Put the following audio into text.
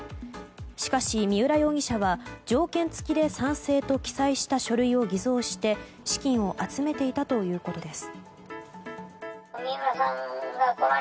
しかし、三浦容疑者は条件付きで賛成と記載した書類を偽造して、資金を集めていたということです。